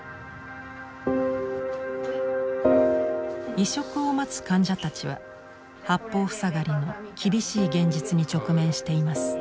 移植を待つ患者たちは八方塞がりの厳しい現実に直面しています。